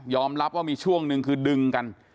รับว่ามีช่วงหนึ่งคือดึงกัน